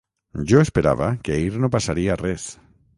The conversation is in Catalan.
Jo esperava que ahir no passaria res.